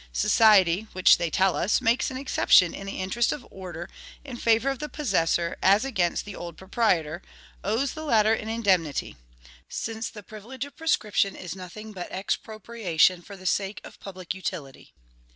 Society, which, they tell us, makes an exception in the interest of order in favor of the possessor as against the old proprietor, owes the latter an indemnity; since the privilege of prescription is nothing but expropriation for the sake of public utility.